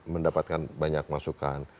mendapatkan banyak masukan